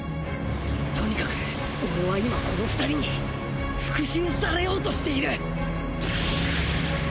とにかく俺は今この２人に復讐されようとしている！